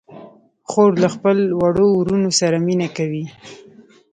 خور له خپلو وړو وروڼو سره مینه کوي.